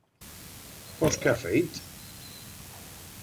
Pos, qué ha feit?